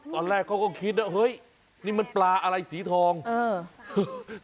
ตอนแรกเขาก็คิดนะเฮ้ยนี่มันปลาอะไรสีทองเออ